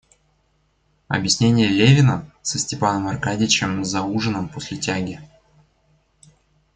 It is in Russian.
Объяснение Левина со Степаном Аркадьичем за ужином после тяги.